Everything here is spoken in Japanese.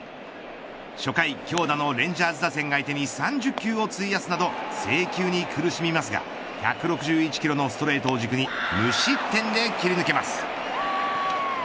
初回、強打のレンジャーズ打線を相手に３０球を費やすなど制球に苦しみますが１６１キロのストレートを軸に無失点で切り抜けます。